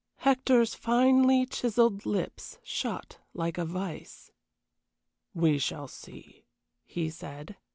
Hector's finely chiselled lips shut like a vise. "We shall see," he said.